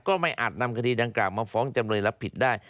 อาจนำคดีดังกล่าวมาฟ้องจำเลยรับผิดได้